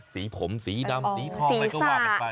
สีผมสีดำสีทองอะไรก็ว่ากันไป